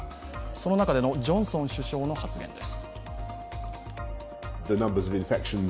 その中でのジョンソン首相の発言です。